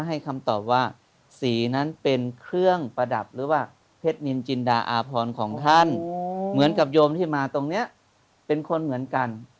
ให้คำตอบว่าสีนั้นเป็นเครื่องประดับหรือว่าเพชรนินจินดาอาพรของท่านเหมือนกับโยมที่มาตรงนี้เป็นคนเหมือนกัน